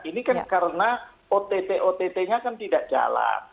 ini kan karena ott ott nya kan tidak jalan